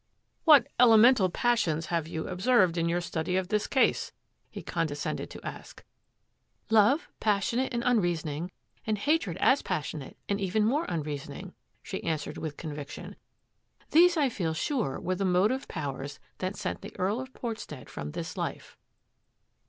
" What elemental passions have you observed in your study of this case?" he condescended to ask. " Love, passionate and unreasoning, and hatred as passionate, and even more unreasoning," she answered with conviction. " These I f eej sure were the motive powers that sent the Earl of Port stead from this life."